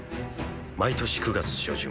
毎年９月初旬。